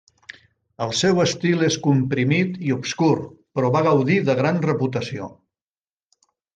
El seu estil és comprimit i obscur, però va gaudir de gran reputació.